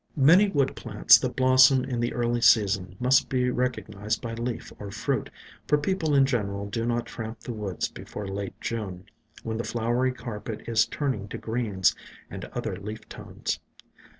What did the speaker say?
Many wood plants that blossom in the early season must be recognized by leaf or fruit, for people in general do not tramp the woods before late June, when the flowery carpet is turning to greens and other leaf tones.